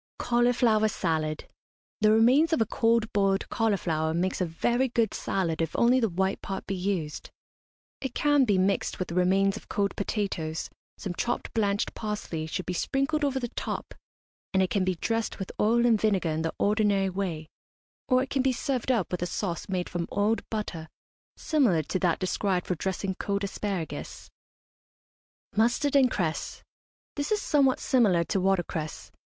CAULIFLOWER SALAD. The remains of a cold boiled cauliflower makes a very good salad if only the white part be used. It can be mixed with remains of cold potatoes, some chopped blanched parsley should be sprinkled over the top, and it can be dressed with oil and vinegar in the ordinary way; or it can be served up with a sauce made from oiled butter similar to that described for dressing cold asparagus. MUSTARD AND CRESS. This is somewhat similar to watercress.